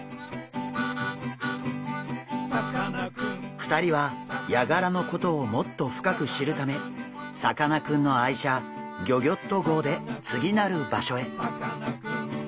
２人はヤガラのことをもっと深く知るためさかなクンの愛車ギョギョッと号で次なる場所へ。